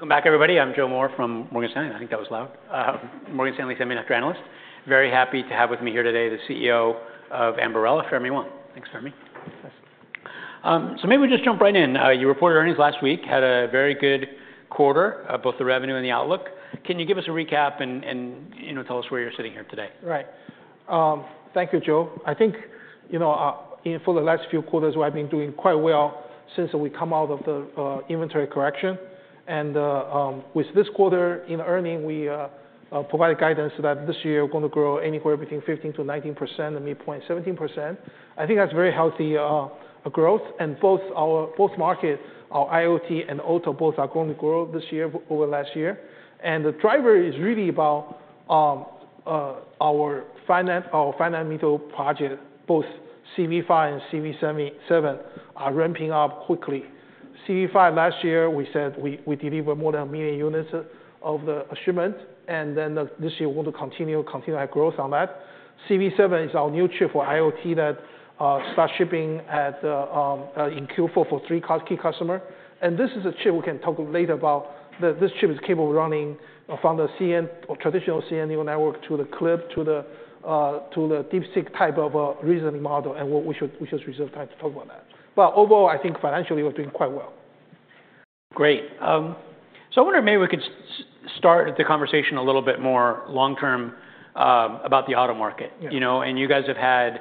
Welc ome back, everybody. I'm Joe Moore from Morgan Stanley. I think that was loud. Morgan Stanley's semiconductor analyst. Very happy to have with me here today the CEO of Ambarella, Fermi Wang. Thanks, Fermi. Yes. So maybe we just jump right in. You reported earnings last week, had a very good quarter, both the revenue and the outlook. Can you give us a recap and tell us where you're sitting here today? Right. Thank you, Joe. I think for the last few quarters we have been doing quite well since we come out of the inventory correction. And with this quarter in earnings, we provide guidance that this year we're going to grow anywhere between 15%-19%, midpoint 17%. I think that's very healthy growth. And both markets, our IoT and auto, both are going to grow this year over last year. And the driver is really about our flagship products. Both CV5 and CV7 are ramping up quickly. CV5, last year, we said we delivered more than a million units of the shipment. And then this year we want to continue our growth on that. CV7 is our new chip for IoT that starts shipping in Q4 for three key customers. And this is a chip we can talk later about. This chip is capable of running from the traditional CN Neural Network to the CLIP to the DeepSeek type of reasoning model. And we should reserve time to talk about that. But overall, I think financially we're doing quite well. Great. So I wonder if maybe we could start the conversation a little bit more long-term about the auto market. And you guys have had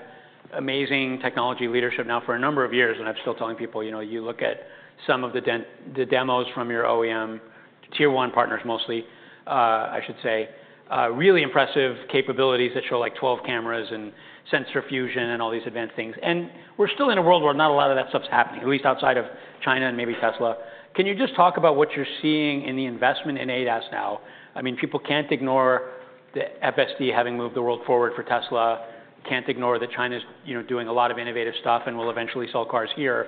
amazing technology leadership now for a number of years. And I'm still telling people, you look at some of the demos from your OEM, Tier 1 partners mostly, I should say, really impressive capabilities that show like 12 cameras and sensor fusion and all these advanced things. And we're still in a world where not a lot of that stuff's happening, at least outside of China and maybe Tesla. Can you just talk about what you're seeing in the investment in ADAS now? I mean, people can't ignore the FSD having moved the world forward for Tesla. Can't ignore that China's doing a lot of innovative stuff and will eventually sell cars here.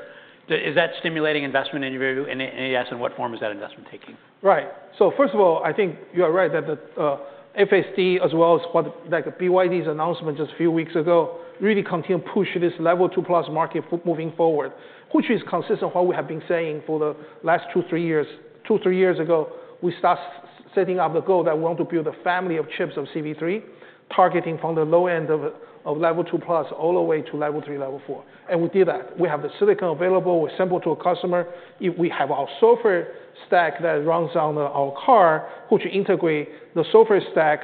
Is that stimulating investment in ADAS? What form is that investment taking? Right, so first of all, I think you are right that the FSD, as well as BYD's announcement just a few weeks ago, really continue to push this Level 2+ market moving forward, which is consistent with what we have been saying for the last two, three years. Two, three years ago, we started setting up the goal that we want to build a family of chips of CV3, targeting from the low end of Level 2+ all the way to Level 3, Level 4, and we did that. We have the silicon available. We assemble to a customer. We have our software stack that runs on our car, which integrates the software stack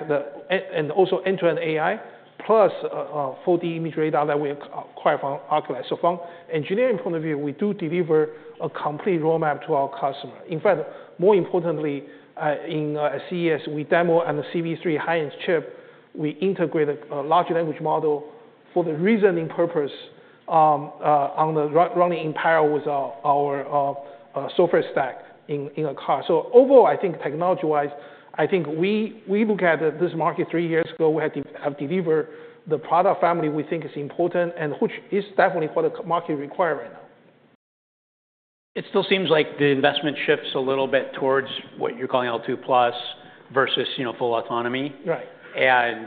and also end-to-end AI, plus 4D imaging radar that we acquired from Oculii, so from an engineering point of view, we do deliver a complete roadmap to our customer. In fact, more importantly, in CES, we demo on the CV3 high-end chip. We integrate a large language model for the reasoning purpose on the running in parallel with our software stack in a car. So overall, I think technology-wise, I think we look at this market three years ago. We have delivered the product family we think is important, and which is definitely what the market requires right now. It still seems like the investment shifts a little bit towards what you're calling L2 plus versus full autonomy. Right.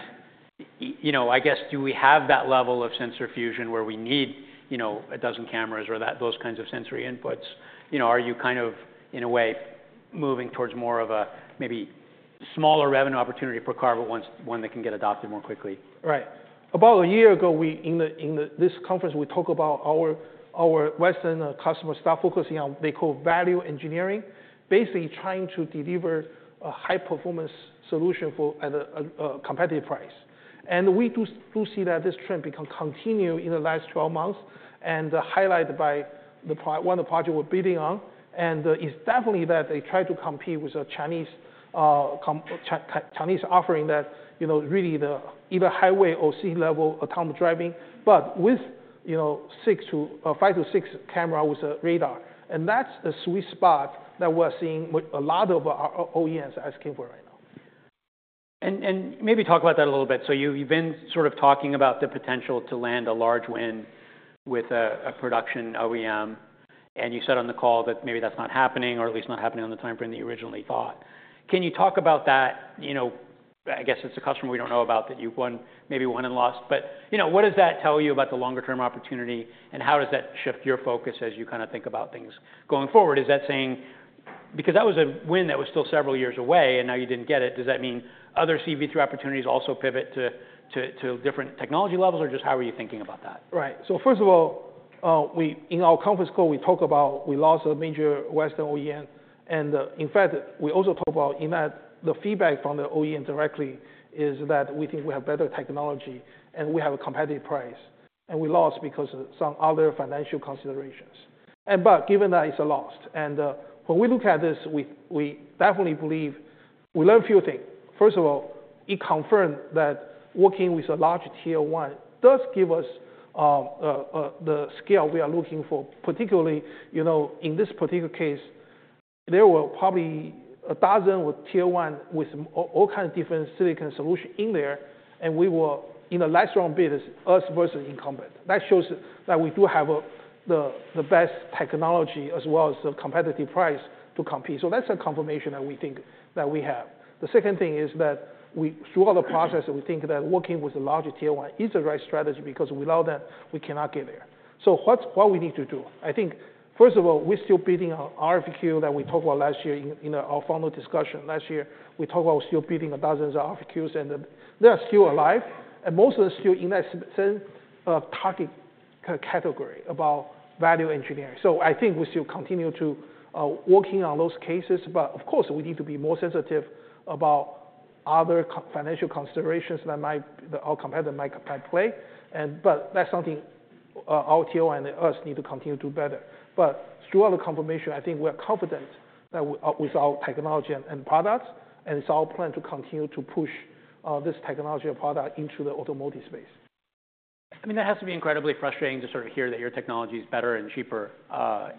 I guess, do we have that Level of sensor fusion where we need a dozen cameras or those kinds of sensor inputs? Are you kind of, in a way, moving towards more of a maybe smaller revenue opportunity per car, but one that can get adopted more quickly? Right. About a year ago, in this conference, we talked about our Western customer stuff focusing on what they call value engineering, basically trying to deliver a high-performance solution at a competitive price, and we do see that this trend becomes continued in the last 12 months and highlighted by one of the projects we're building on, and it's definitely that they try to compete with a Chinese offering that really either highway or city-Level autonomous driving, but with 5-6 cameras with radar, and that's the sweet spot that we're seeing a lot of our OEMs asking for right now. And maybe talk about that a little bit. So you've been sort of talking about the potential to land a large win with a production OEM. And you said on the call that maybe that's not happening, or at least not happening on the timeframe that you originally thought. Can you talk about that? I guess it's a customer we don't know about that you maybe won and lost. But what does that tell you about the longer-term opportunity? And how does that shift your focus as you kind of think about things going forward? Because that was a win that was still several years away, and now you didn't get it. Does that mean other CV3 opportunities also pivot to different technology Levels? Or just how are you thinking about that? Right, so first of all, in our conference call, we talk about we lost a major Western OEM. And in fact, we also talk about in that the feedback from the OEM directly is that we think we have better technology and we have a competitive price. And we lost because of some other financial considerations. But given that it's a loss, and when we look at this, we definitely believe we learned a few things. First of all, it confirmed that working with a large Tier 1 does give us the scale we are looking for. Particularly in this particular case, there were probably a dozen Tier 1 with all kinds of different silicon solutions in there, and we were, in the last round bid, us versus incumbent. That shows that we do have the best technology as well as the competitive price to compete. So that's a confirmation that we think that we have. The second thing is that throughout the process, we think that working with a large Tier 1 is the right strategy because without that, we cannot get there. So what we need to do, I think, first of all, we're still building RFQs that we talked about last year in our final discussion. Last year, we talked about still building dozens of RFQs. And they are still alive. And most of them are still in that same target category about value engineering. So I think we still continue to work on those cases. But of course, we need to be more sensitive about other financial considerations that our competitors might play. But that's something our Tier 1 and us need to continue to do better. But throughout the confirmation, I think we are confident with our technology and products. It's our plan to continue to push this technology and product into the automotive space. I mean, that has to be incredibly frustrating to sort of hear that your technology is better and cheaper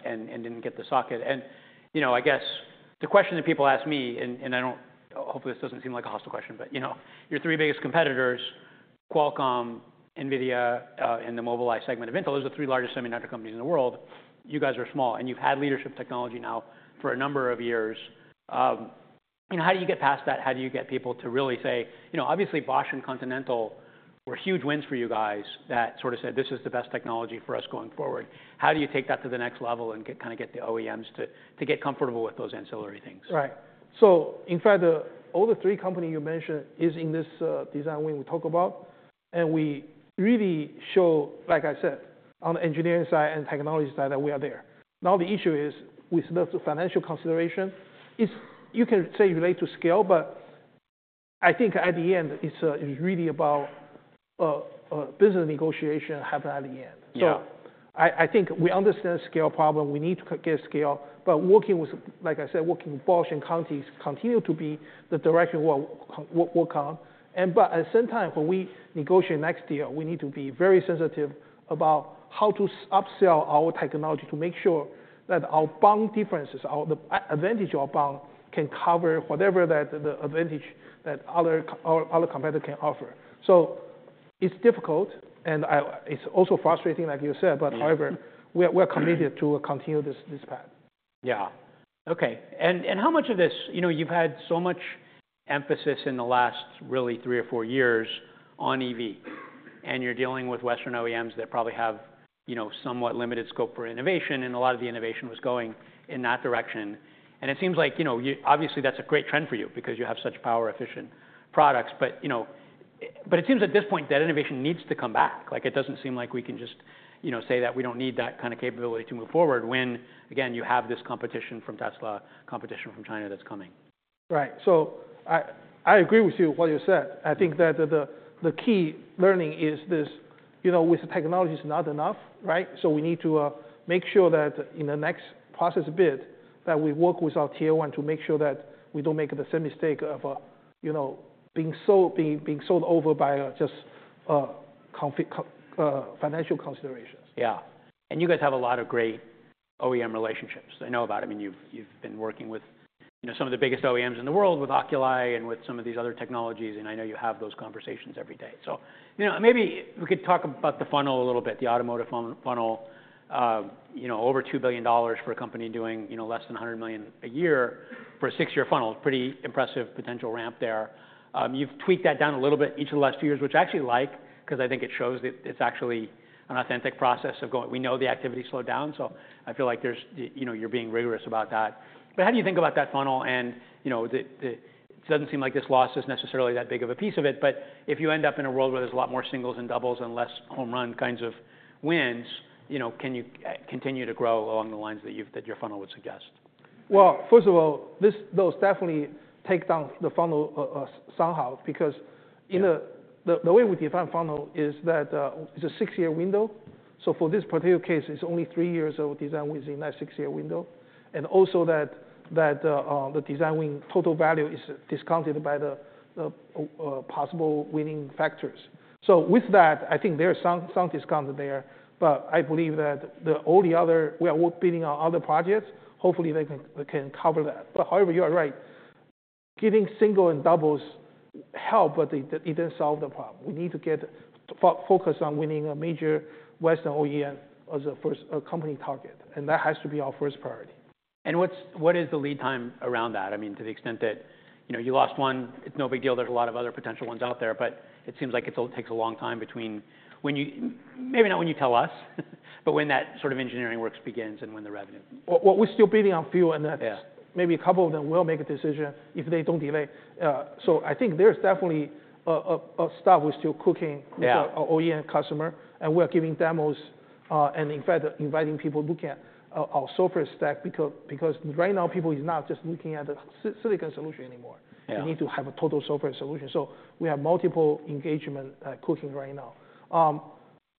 and didn't get the socket. And I guess the question that people ask me, and hopefully this doesn't seem like a hostile question, but your three biggest competitors, Qualcomm, NVIDIA, and the Mobileye segment of Intel, those are the three largest semiconductor companies in the world. You guys are small. And you've had leadership technology now for a number of years. How do you get past that? How do you get people to really say, obviously, Bosch and Continental were huge wins for you guys that sort of said, this is the best technology for us going forward. How do you take that to the next Level and kind of get the OEMs to get comfortable with those ancillary things? Right. So in fact, all the three companies you mentioned are in this design win we talked about, and we really show, like I said, on the engineering side and technology side that we are there, now the issue is with the financial consideration. You can say relate to scale, but I think at the end, it's really about business negotiation happening at the end, so I think we understand the scale problem. We need to get scale, but working, like I said, working with Bosch and Conti continues to be the direction we work on, but at the same time, when we negotiate next year, we need to be very sensitive about how to upsell our technology to make sure that our bond differences, the advantage of our bond, can cover whatever that the advantage that other competitors can offer, so it's difficult. And it's also frustrating, like you said. But however, we are committed to continue this path. Yeah. OK. And how much of this you've had so much emphasis in the last really three or four years on EV. And you're dealing with Western OEMs that probably have somewhat limited scope for innovation. And a lot of the innovation was going in that direction. And it seems like, obviously, that's a great trend for you because you have such power-efficient products. But it seems at this point that innovation needs to come back. It doesn't seem like we can just say that we don't need that kind of capability to move forward when, again, you have this competition from Tesla, competition from China that's coming. Right. So I agree with you on what you said. I think that the key learning is this: with the technology, it's not enough. So we need to make sure that in the next process bid that we work with our Tier 1 to make sure that we don't make the same mistake of being sold over by just financial considerations. Yeah. And you guys have a lot of great OEM relationships. I know about it. I mean, you've been working with some of the biggest OEMs in the world, with Oculii and with some of these other technologies. And I know you have those conversations every day. So maybe we could talk about the funnel a little bit, the Automotive funnel. Over $2 billion for a company doing less than $100 million a year for a six-year funnel. Pretty impressive potential ramp there. You've tweaked that down a little bit each of the last few years, which I actually like because I think it shows that it's actually an authentic process of going. We know the activity slowed down. So I feel like you're being rigorous about that. But how do you think about that funnel? It doesn't seem like this loss is necessarily that big of a piece of it. If you end up in a world where there's a lot more singles and doubles and less home run kinds of wins, can you continue to grow along the lines that your funnel would suggest? First of all, those definitely take down the funnel somehow because the way we define funnel is that it's a six-year window. So for this particular case, it's only three years of design within that six-year window. And also that the design win total value is discounted by the possible winning factors. So with that, I think there are some discounts there. But I believe that all the other we are all bidding on other projects. Hopefully, they can cover that. But however, you are right. Getting singles and doubles help, but it doesn't solve the problem. We need to get focused on winning a major Western OEM as a first company target. And that has to be our first priority. What is the lead time around that? I mean, to the extent that you lost one, it's no big deal. There's a lot of other potential ones out there. But it seems like it takes a long time between maybe not when you tell us, but when that sort of engineering work begins and when the revenue. We're still bidding on a few. And maybe a couple of them will make a decision if they don't delay. So I think there's definitely stuff we're still cooking with our OEM customer. And we are giving demos and, in fact, inviting people to look at our software stack because right now, people are not just looking at the silicon solution anymore. They need to have a total software solution. So we have multiple engagements cooking right now.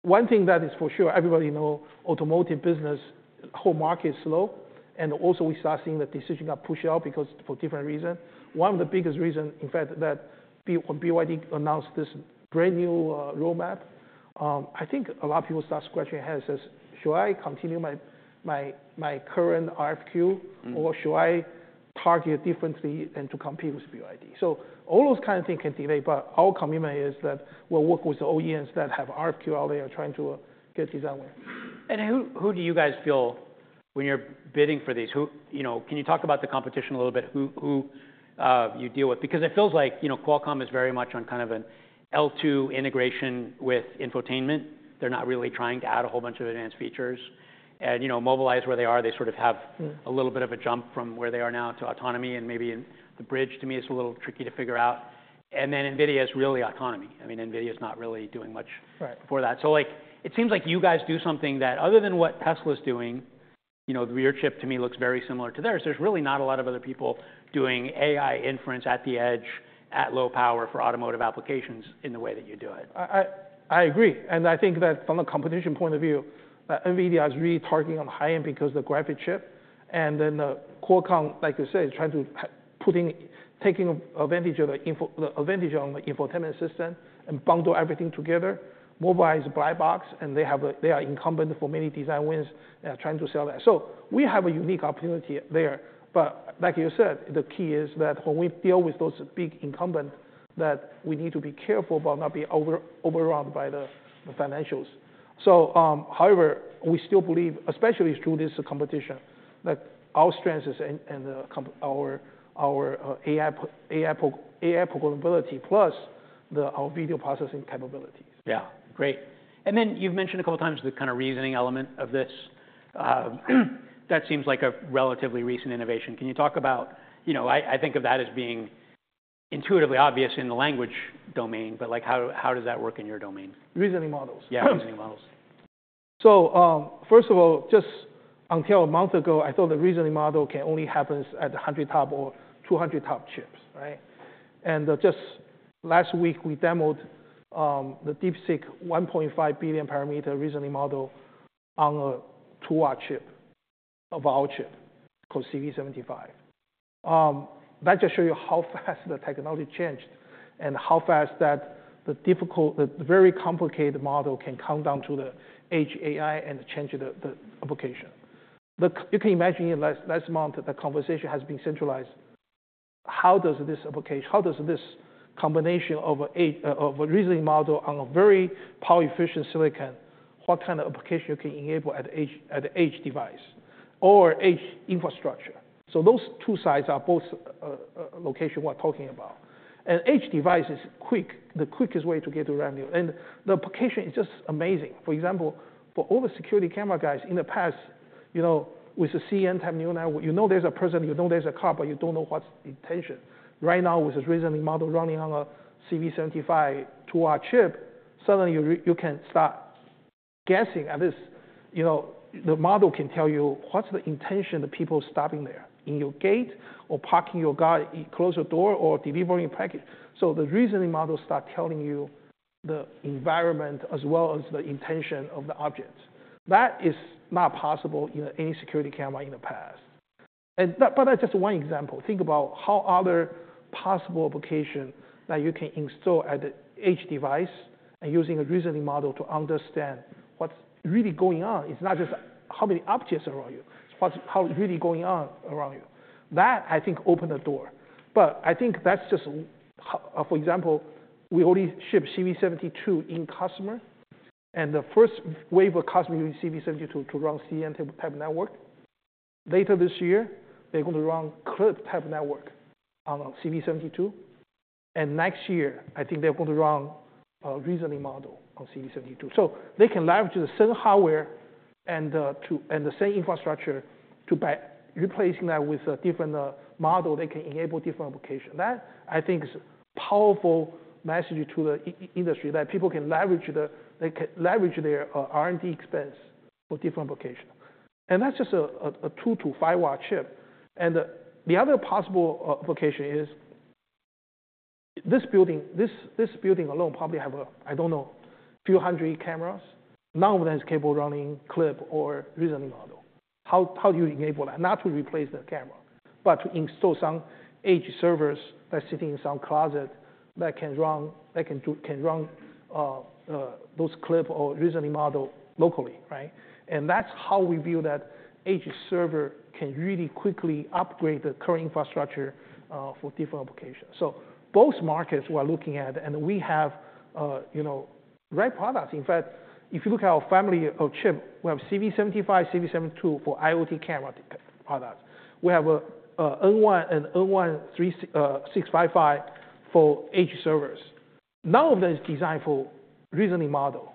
One thing that is for sure, everybody knows automotive business, the whole market is slow. And also, we start seeing the decision got pushed out because for different reasons. One of the biggest reasons, in fact, that when BYD announced this brand new roadmap, I think a lot of people started scratching their heads and said, should I continue my current RFQ? Or should I target differently and compete with BYD? So all those kinds of things can delay. But our commitment is that we'll work with the OEMs that have RFQ out there and trying to get design win. And who do you guys feel when you're bidding for these? Can you talk about the competition a little bit? Who you deal with? Because it feels like Qualcomm is very much on kind of an L2 integration with infotainment. They're not really trying to add a whole bunch of advanced features. And Mobileye, where they are, they sort of have a little bit of a jump from where they are now to autonomy. And maybe the bridge, to me, is a little tricky to figure out. And then NVIDIA is really autonomy. I mean, NVIDIA is not really doing much for that. So it seems like you guys do something that, other than what Tesla is doing, your chip, to me, looks very similar to theirs. There's really not a lot of other people doing AI inference at the edge at low power for automotive applications in the way that you do it. I agree, and I think that from a competition point of view, NVIDIA is really targeting the high-end because of the graphics chip, and then Qualcomm, like you said, is trying to take advantage of the infotainment system and bundle everything together. Mobileye is a black box, and they are incumbents for many design wins and are trying to sell that, so we have a unique opportunity there, but like you said, the key is that when we deal with those big incumbents, that we need to be careful about not being overwhelmed by the financials, so however, we still believe, especially through this competition, that our strength is in our AI programmability plus our video processing capabilities. Yeah. Great. And then you've mentioned a couple of times the kind of reasoning element of this. That seems like a relatively recent innovation. Can you talk about I think of that as being intuitively obvious in the language domain? But how does that work in your domain? Reasoning models. Yeah, reasoning models. First of all, just until a month ago, I thought the reasoning model can only happen at 100 TOPS or 200 TOPS chips. Just last week, we demoed the DeepSeek 1.5 billion parameter reasoning model on a two-watt chip of our chip called CV75. That just shows you how fast the technology changed and how fast that the very complicated model can come down to the edge AI and change the application. You can imagine in the last month that conversation has been centralized. How does this application, how does this combination of a reasoning model on a very power-efficient silicon, what kind of application you can enable at the edge device or edge infrastructure? Those two sides are both locations we're talking about. Edge device is quick, the quickest way to get the revenue. The application is just amazing. For example, for all the security camera guys in the past, with the CNN-type neural net now, you know there's a person, you know there's a car, but you don't know what's the intention. Right now, with the reasoning model running on a CV75 2-watt chip, suddenly you can start guessing. The model can tell you what's the intention of the people stopping there in your gate or parking your car, close your door, or delivering a package. The reasoning model starts telling you the environment as well as the intention of the object. That is not possible in any security camera in the past. That's just one example. Think about how other possible applications that you can install at the edge device and using a reasoning model to understand what's really going on. It's not just how many objects around you. It's what's really going on around you. That, I think, opened the door, but I think that's just, for example, we already shipped CV72 in customer, and the first wave of customer CV72 to run CN type network later this year. They're going to run CLIP type network on CV72, and next year, I think they're going to run a reasoning model on CV72. So they can leverage the same hardware and the same infrastructure to replace that with a different model. They can enable different applications. That, I think, is a powerful message to the industry that people can leverage their R&D expense for different applications. And that's just a 2-5watt chip. And the other possible application is this building alone probably has, I don't know, a few hundred cameras. None of them is capable of running CLIP or reasoning model. How do you enable that? Not to replace the camera, but to install some edge servers that are sitting in some closet that can run those CLIP or reasoning model locally. And that's how we view that edge server can really quickly upgrade the current infrastructure for different applications. So both markets we're looking at. And we have great products. In fact, if you look at our family of chips, we have CV75, CV72 for IoT camera products. We have an N1 and N1 655 for edge servers. None of them is designed for reasoning model.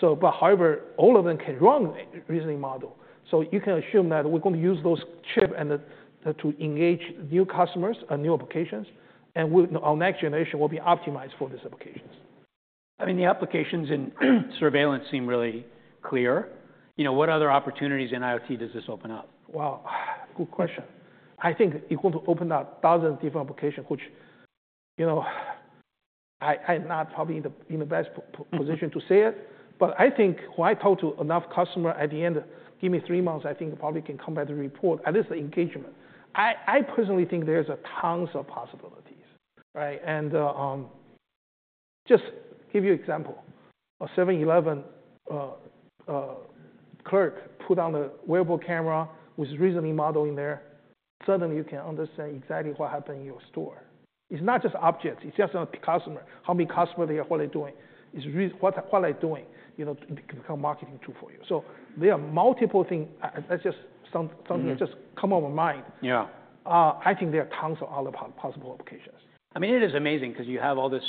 But however, all of them can run reasoning model. So you can assume that we're going to use those chips to engage new customers and new applications. And our next generation will be optimized for these applications. I mean, the applications in surveillance seem really clear. What other opportunities in IoT does this open up? Wow. Good question. I think it's going to open up thousands of different applications, which I'm not probably in the best position to say it. But I think when I talk to enough customers, at the end, give me three months, I think I probably can come back with a report, at least the engagement. I personally think there's tons of possibilities. And just to give you an example, a 7-Eleven clerk put on a wearable camera with reasoning model in there. Suddenly, you can understand exactly what happened in your store. It's not just objects. It's just a customer. How many customers there? What are they doing? What are they doing? It can become a marketing tool for you. So there are multiple things. That's just something that just comes to my mind. Yeah. I think there are tons of other possible applications. I mean, it is amazing because you have all this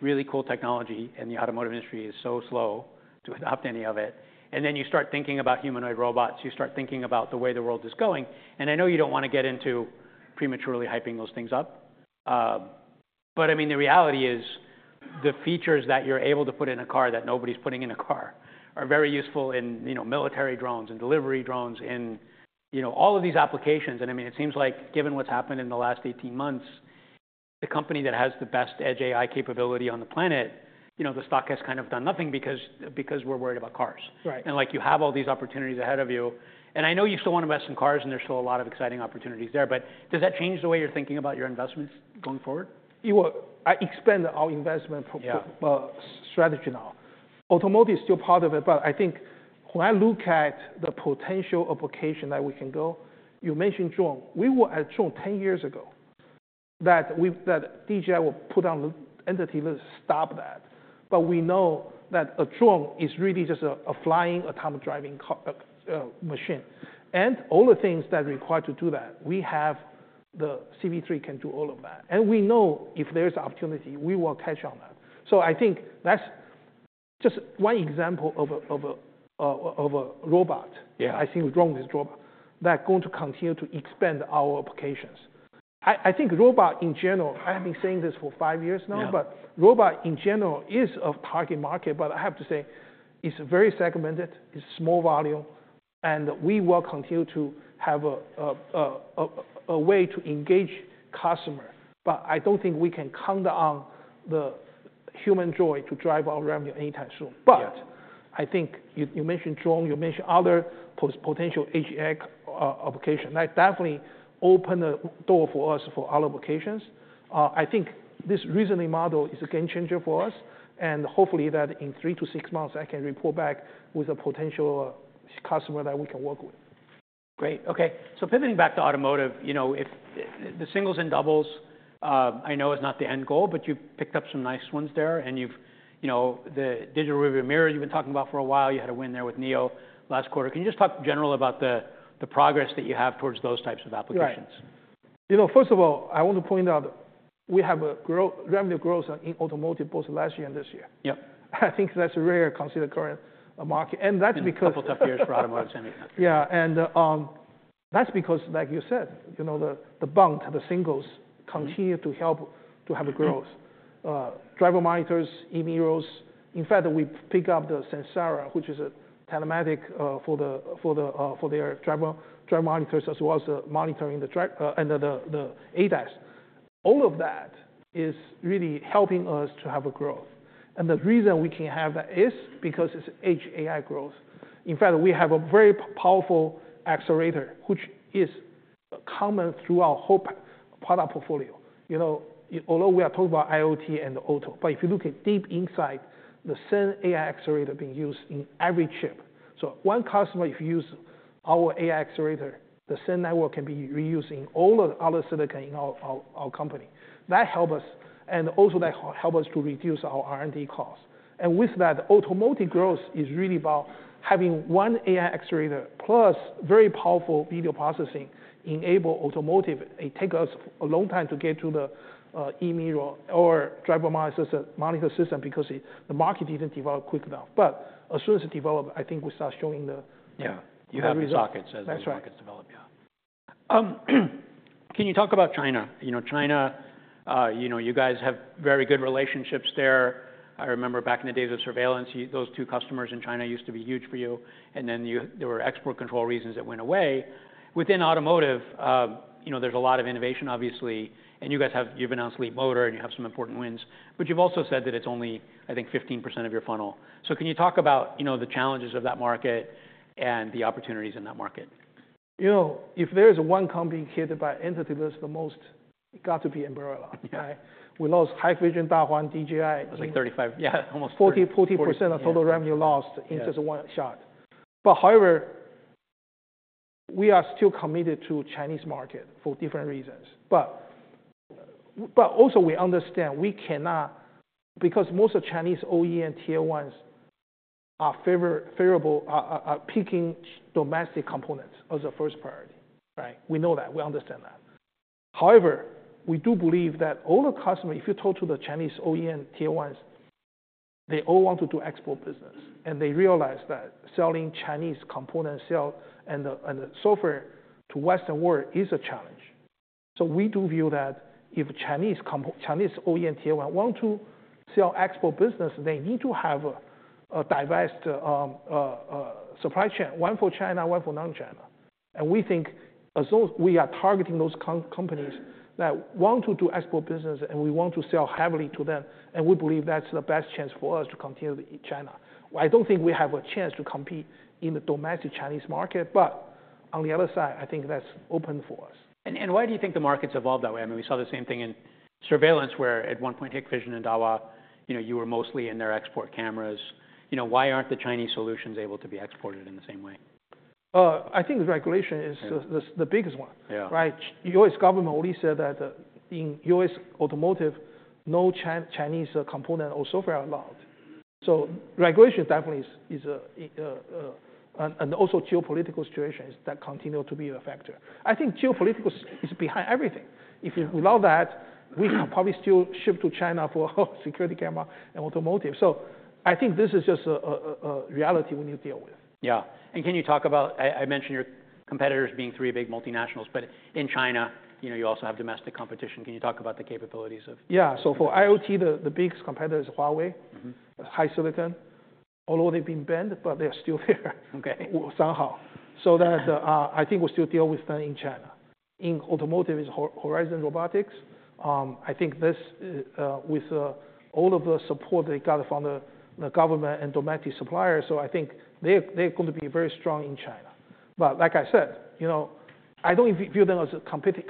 really cool technology. And the automotive industry is so slow to adopt any of it. And then you start thinking about humanoid robots. You start thinking about the way the world is going. And I know you don't want to get into prematurely hyping those things up. But I mean, the reality is the features that you're able to put in a car that nobody's putting in a car are very useful in military drones, in delivery drones, in all of these applications. And I mean, it seems like, given what's happened in the last 18 months, the company that has the best edge AI capability on the planet, the stock has kind of done nothing because we're worried about cars. And you have all these opportunities ahead of you. And I know you still want to invest in cars. And there's still a lot of exciting opportunities there. But does that change the way you're thinking about your investments going forward? I expand our investment strategy now. Automotive is still part of it. But I think when I look at the potential application that we can go, you mentioned drone. We were at drone 10 years ago, that DJI will put on Entity List, stop that. But we know that a drone is really just a flying autonomous driving machine. And all the things that are required to do that, we have the CV3 can do all of that. And we know if there's an opportunity, we will catch on that. So I think that's just one example of a robot. I think drone is a robot that's going to continue to expand our applications. I think robot, in general, I have been saying this for five years now. But robot, in general, is a target market. But I have to say it's very segmented. It's small volume. We will continue to have a way to engage customers. I don't think we can count on Huawei to drive our revenue anytime soon. I think you mentioned drone. You mentioned other potential edge AI applications. That definitely opened the door for us for other applications. I think this reasoning model is a game changer for us. Hopefully, that in three to six months, I can report back with a potential customer that we can work with. Great. OK, so pivoting back to automotive, the singles and doubles, I know is not the end goal. But you picked up some nice ones there, and the digital rearview mirror, you've been talking about for a while. You had a win there with NIO last quarter. Can you just talk in general about the progress that you have towards those types of applications? First of all, I want to point out we have revenue growth in automotive both last year and this year. I think that's rare considering the current market, and that's because. A couple of tough years for automotive. Yeah. And that's because, like you said, the bunk, the singles continue to help to have growth. Driver monitors, e-mirrors. In fact, we picked up the Samsara, which is a Telematics for their driver monitors, as well as monitoring the ADAS. All of that is really helping us to have a growth. And the reason we can have that is because it's edge AI growth. In fact, we have a very powerful accelerator, which is common throughout our whole product portfolio. Although we are talking about IoT and auto, but if you look at deep inside, the same AI accelerator is being used in every chip. So one customer, if you use our AI accelerator, the same network can be reused in all the other silicon in our company. That helps us. And also, that helps us to reduce our R&D costs. With that, the automotive growth is really about having one AI accelerator plus very powerful video processing enables automotive. It takes us a long time to get to the e-mirror or driver monitor system because the market didn't develop quickly enough. As soon as it develops, I think we start showing the. Yeah. You have the sockets as the markets develop. Yeah. Can you talk about China? China, you guys have very good relationships there. I remember back in the days of surveillance, those two customers in China used to be huge for you. And then there were export control reasons that went away. Within automotive, there's a lot of innovation, obviously. And you've announced Leapmotor. And you have some important wins. But you've also said that it's only, I think, 15% of your funnel. So can you talk about the challenges of that market and the opportunities in that market? If there is one company hit by the Entity List the most, it's got to be Ambarella. We lost Hikvision, Dahua, DJI. It was like 35%, yeah, almost 40%. 40% of total revenue lost in just one shot. But however, we are still committed to the Chinese market for different reasons. But also, we understand we cannot because most of the Chinese OEM tier ones are favorable, are picking domestic components as a first priority. We know that. We understand that. However, we do believe that all the customers, if you talk to the Chinese OEM Tier 1, they all want to do export business. And they realize that selling Chinese components and the software to Western world is a challenge. So we do view that if Chinese OEM tier one want to sell export business, they need to have a diverse supply chain, one for China, one for non-China. And we think as though we are targeting those companies that want to do export business. And we want to sell heavily to them. And we believe that's the best chance for us to compete with China. I don't think we have a chance to compete in the domestic Chinese market. But on the other side, I think that's open for us. And why do you think the markets evolve that way? I mean, we saw the same thing in surveillance, where at one point, Hikvision and Dahua, you were mostly in their export cameras. Why aren't the Chinese solutions able to be exported in the same way? I think regulation is the biggest one. U.S. government already said that in U.S. automotive, no Chinese component or software allowed. So regulation definitely is and also geopolitical situations that continue to be a factor. I think geopolitical is behind everything. If we allow that, we can probably still ship to China for security camera and automotive. So I think this is just a reality we need to deal with. Yeah. And can you talk about I mentioned your competitors being three big multinationals. But in China, you also have domestic competition. Can you talk about the capabilities of? Yeah. So for IoT, the biggest competitor is Huawei, HiSilicon. Although they've been banned, but they're still there somehow. So I think we'll still deal with them in China. In automotive, it's Horizon Robotics. I think this, with all of the support they got from the government and domestic suppliers, so I think they're going to be very strong in China. But like I said, I don't view them as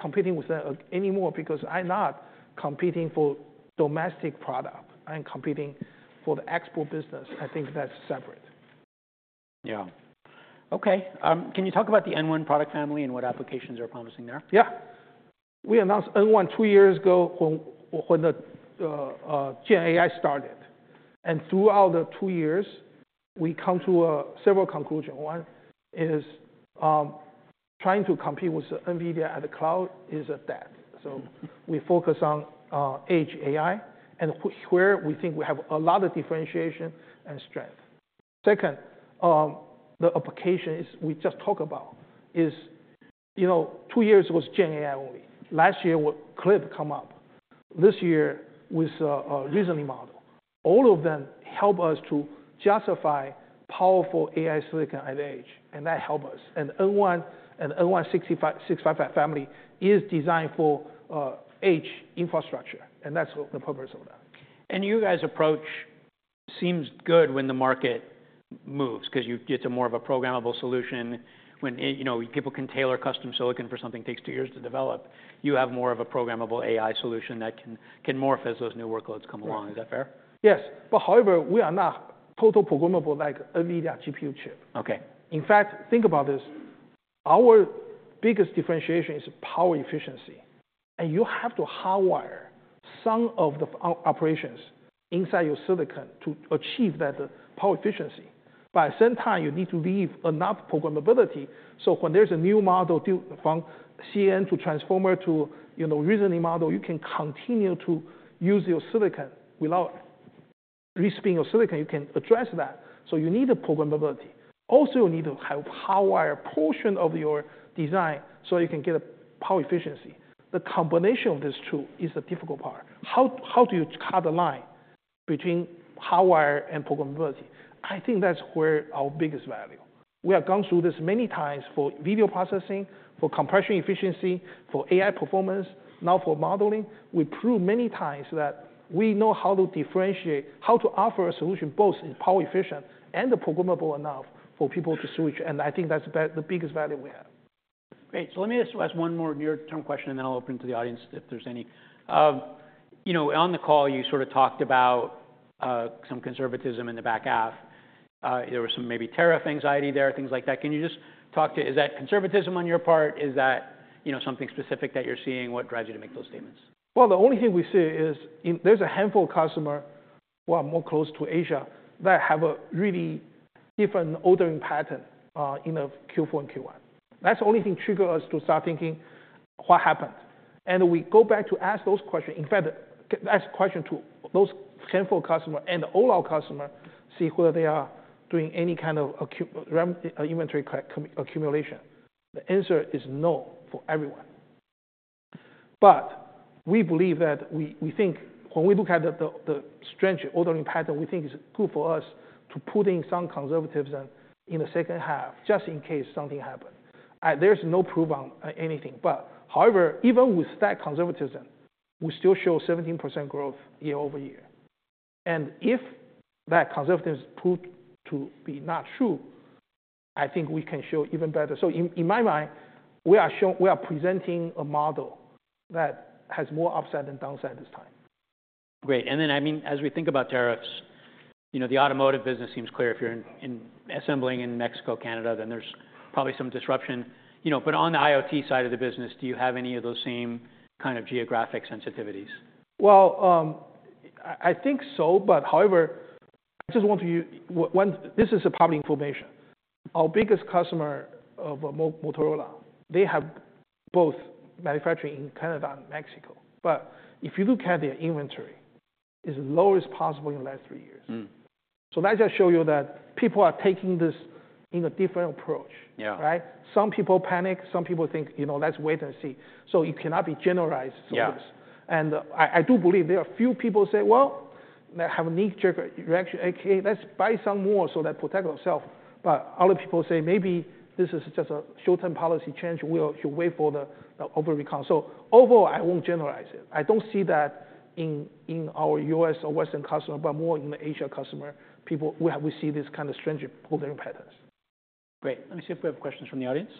competing with them anymore because I'm not competing for domestic product. I'm competing for the export business. I think that's separate. Yeah. OK. Can you talk about the N1 product family and what applications are promising there? Yeah. We announced N1 two years ago when the Gen AI started. And throughout the two years, we come to several conclusions. One is trying to compete with NVIDIA at the cloud is a debt. So we focus on edge AI. And here, we think we have a lot of differentiation and strength. Second, the application we just talked about is two years was Gen AI only. Last year, CLIP came up. This year, with a reasoning model. All of them help us to justify powerful AI silicon at edge. And that helps us. And N1 and N1 655 family is designed for edge infrastructure. And that's the purpose of that. Your guys' approach seems good when the market moves because it's more of a programmable solution. When people can tailor custom silicon for something that takes two years to develop, you have more of a programmable AI solution that can morph as those new workloads come along. Is that fair? Yes, but however, we are not totally programmable like NVIDIA GPU chip. In fact, think about this. Our biggest differentiation is power efficiency, and you have to hardwire some of the operations inside your silicon to achieve that power efficiency. But at the same time, you need to leave enough programmability, so when there's a new model from CNN to transformer to reasoning model, you can continue to use your silicon. Without risking your silicon, you can address that, so you need programmability. Also, you need to have a hardwired portion of your design so you can get power efficiency. The combination of these two is the difficult part. How do you cut the line between hardwire and programmability? I think that's where our biggest value. We have gone through this many times for video processing, for compression efficiency, for AI performance, now for modeling. We proved many times that we know how to differentiate, how to offer a solution both power efficient and programmable enough for people to switch, and I think that's the biggest value we have. Great. So let me ask one more near-term question. And then I'll open it to the audience if there's any. On the call, you sort of talked about some conservatism in the back half. There was some maybe tariff anxiety there, things like that. Can you just talk to is that conservatism on your part? Is that something specific that you're seeing? What drives you to make those statements? The only thing we see is there's a handful of customers, well, more close to Asia, that have a really different ordering pattern in the Q4 and Q1. That's the only thing that triggered us to start thinking, what happened, and we go back to ask those questions. In fact, ask questions to those handful of customers and all our customers, see whether they are doing any kind of inventory accumulation. The answer is no for everyone. But we believe that we think when we look at the strange ordering pattern, we think it's good for us to put in some conservatism in the second half just in case something happens. There's no proof on anything. But however, even with that conservatism, we still show 17% growth year over year, and if that conservatism is proved to be not true, I think we can show even better. In my mind, we are presenting a model that has more upside and downside this time. Great, and then, I mean, as we think about tariffs, the automotive business seems clear. If you're assembling in Mexico, Canada, then there's probably some disruption, but on the IoT side of the business, do you have any of those same kind of geographic sensitivities? Well, I think so. But however, I just want to—this is public information. Our biggest customer, Motorola, they have both manufacturing in Canada and Mexico. But if you look at their inventory, it's the lowest possible in the last three years. So that just shows you that people are taking this in a different approach. Some people panic. Some people think, let's wait and see. So it cannot be generalized to this. And I do believe there are a few people who say, well, they have a knee-jerk reaction, a.k.a. let's buy some more so they protect themselves. But other people say maybe this is just a short-term policy change. We should wait for the election. So overall, I won't generalize it. I don't see that in our U.S. or Western customers, but more in the Asian customers, we see this kind of strange ordering patterns. Great. Let me see if we have questions from the audience.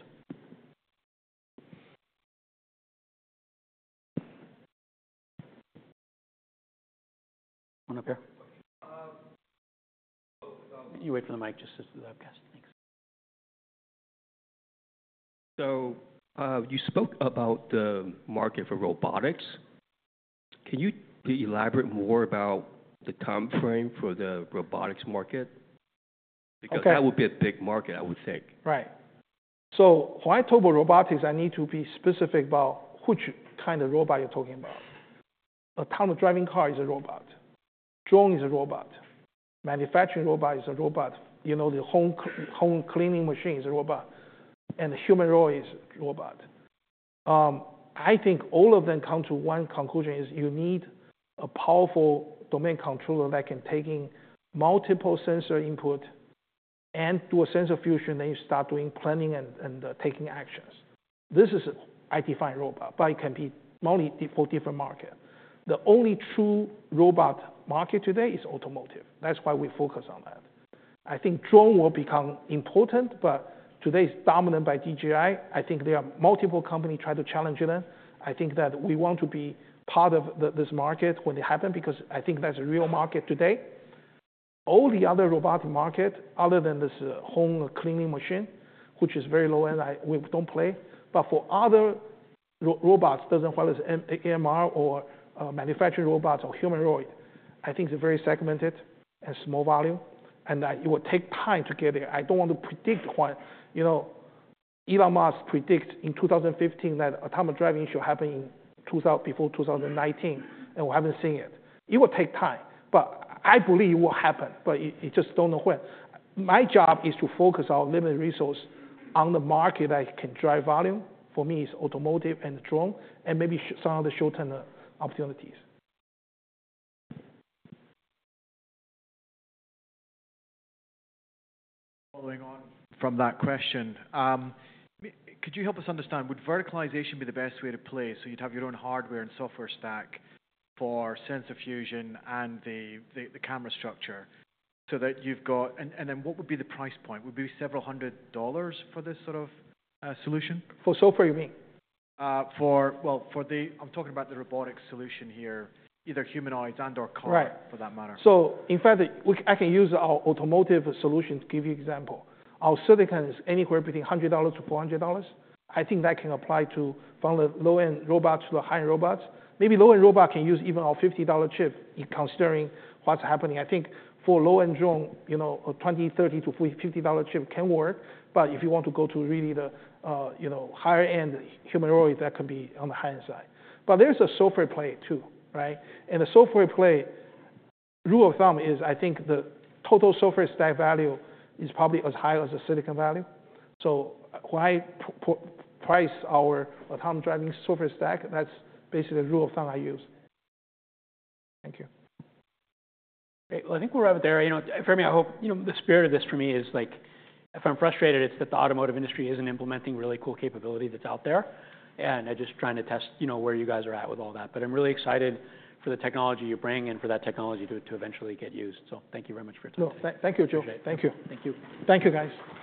One up here. You wait for the mic just to the guests. Thanks. So you spoke about the market for robotics. Can you elaborate more about the time frame for the robotics market? Because that would be a big market, I would think. Right. So when I talk about robotics, I need to be specific about which kind of robot you're talking about. An autonomous driving car is a robot. A drone is a robot. A manufacturing robot is a robot. The home cleaning machine is a robot. And the humanoid is a robot. I think all of them come to one conclusion: you need a powerful domain controller that can take in multiple sensor inputs and do a sensor fusion. Then you start doing planning and taking actions. This is a highly defined robot. But it can be for different markets. The only true robot market today is automotive. That's why we focus on that. I think drone will become important. But today, it's dominated by DJI. I think there are multiple companies trying to challenge them. I think that we want to be part of this market when it happens because I think that's a real market today. All the other robotic markets, other than this home cleaning machine, which is very low-end, we don't play. But for other robots, it doesn't matter if it's AMR or manufacturing robots or humanoid. I think it's very segmented and small volume. And it will take time to get there. I don't want to predict what Elon Musk predicted in 2015 that autonomous driving should happen before 2019. And we haven't seen it. It will take time. But I believe it will happen. But you just don't know when. My job is to focus our limited resources on the market that can drive volume. For me, it's Automotive and drone and maybe some of the short-term opportunities. Following on from that question, could you help us understand would verticalization be the best way to play so you'd have your own hardware and software stack for sensor fusion and the camera structure so that you've got and then what would be the price point? Would it be several hundred dollars for this sort of solution? For software, you mean? I'm talking about the robotics solution here, either humanoids and/or cars for that matter. Right. So in fact, I can use our automotive solution, to give you an example. Our silicon is anywhere between $100-$400. I think that can apply from the low-end robots to the high-end robots. Maybe low-end robots can use even our $50 chip considering what's happening. I think for low-end drone, a $20-$50 chip can work. But if you want to go to really the higher-end humanoid, that could be on the high-end side. But there's a software play too. And the software play, rule of thumb is I think the total software stack value is probably as high as the silicon value. So when I price our autonomous driving software stack, that's basically the rule of thumb I use. Thank you. Great. Well, I think we'll wrap it there. Fermi, I hope the spirit of this for me is if I'm frustrated, it's that the automotive industry isn't implementing really cool capability that's out there. And I'm just trying to test where you guys are at with all that. But I'm really excited for the technology you bring and for that technology to eventually get used. So thank you very much for your time. Thank you, Joe. Thank you. Thank you. Thank you, guys.